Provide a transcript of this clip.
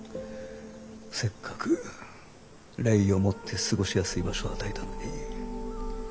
せっかく礼をもって過ごしやすい場所を与えたのに。